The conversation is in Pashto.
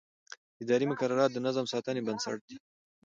اداري مقررات د نظم ساتنې بنسټ دي.